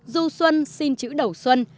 du xuân xin chữ đầu xuân